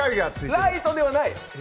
ライトではない。